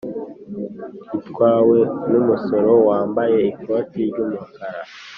itwawe n’umusore wambaye ikoti ry’umukara.